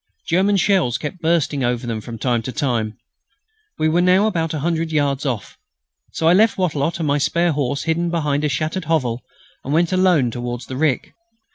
German shells kept bursting over them from time to time. We were now about 100 yards off, so I left Wattrelot and my spare horse hidden behind a shattered hovel and went alone towards the rick.